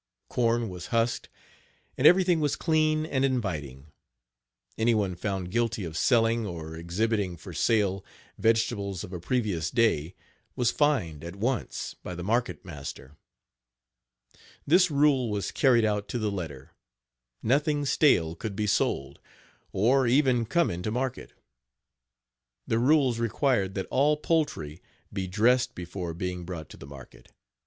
Corn was husked, and everything was clean and inviting. Any one found guilty of selling, or exhibiting for sale, vegetables of a previous day was fined, at once, by the market master. This rule was carried out to the letter. Nothing stale could be sold, or even come into market. The rules required that all poultry be dressed before being brought to market.